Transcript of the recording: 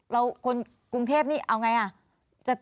คนกรุงเทพนี่เอาไงอ่ะ